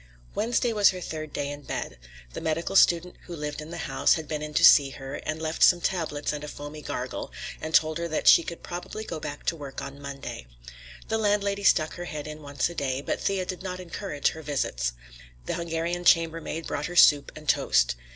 Wednesday was her third day in bed. The medical student who lived in the house had been in to see her, had left some tablets and a foamy gargle, and told her that she could probably go back to work on Monday. The landlady stuck her head in once a day, but Thea did not encourage her visits. The Hungarian chambermaid brought her soup and toast.